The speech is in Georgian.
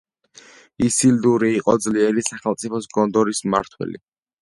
ისილდური იყო ძლიერი სახელმწიფოს, გონდორის მმართველი.